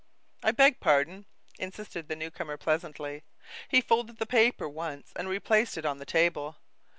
"I beg pardon," insisted the new comer pleasantly. He folded the paper once and replaced it on the table.